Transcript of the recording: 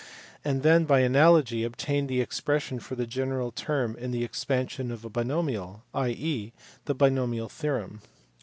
and then by analogy obtained the ex pression for the general term in the expansion of a binomial, i.e. the binomial theorem.